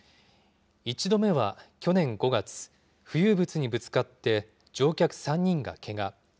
１度目は去年５月、浮遊物にぶつかって乗客３人がけが。